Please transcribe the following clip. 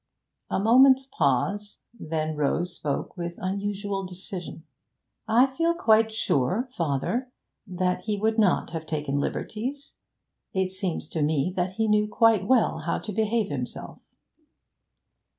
A moment's pause, then Rose spoke with unusual decision 'I feel quite sure, father, that he would not have taken liberties. It seems to me that he knew quite well how to behave himself.'